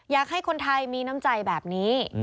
อยากให้คนไทยมีน้ำใจแบบนี้